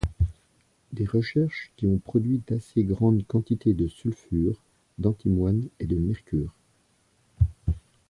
Des recherches qui ont produit d'assez grandes quantités de sulfures d'antimoine et de mercure.